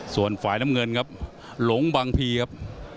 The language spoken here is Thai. ส่วนฝ่ายน้ำเงินครับหลงบางพีครับ